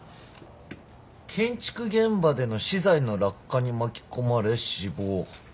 建築現場での資材の落下に巻き込まれ死亡。